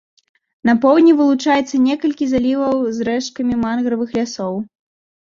На поўдні вылучаецца некалькі заліваў з рэшткамі мангравых лясоў.